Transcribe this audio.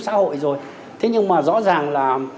xã hội rồi thế nhưng mà rõ ràng là